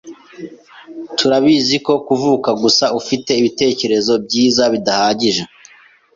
Turabizi ko kuvuka gusa ufite ibitekerezo byiza bidahagije.